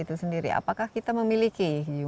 itu sendiri apakah kita memiliki